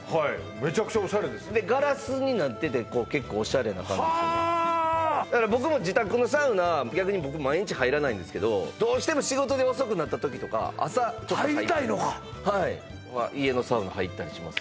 めちゃくちゃオシャレですでガラスになってて結構オシャレな感じですよねはあだから僕も自宅のサウナ逆に僕毎日入らないんですけどどうしても仕事で遅くなった時とか朝入りたいのかはい家のサウナ入ったりします